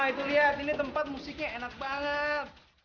itu lihat ini tempat musiknya enak banget